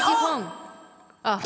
あっ！